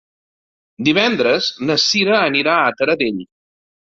Divendres na Cira anirà a Taradell.